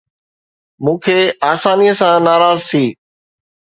مون کي آساني سان ناراض ٿي